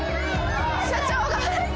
社長が。